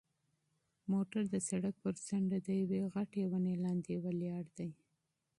موټر د سړک پر څنډه د یوې غټې ونې لاندې ولاړ دی.